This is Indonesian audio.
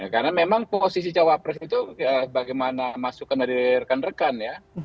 karena memang posisi cawapres itu bagaimana masukan dari rekan rekan ya